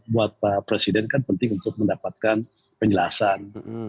buat pak presiden kan penting untuk mendapatkan penjelasan